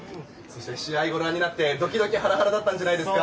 試合をご覧になってドキドキハラハラだったんじゃないですか。